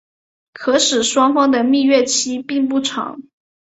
可使双方的蜜月期并不长。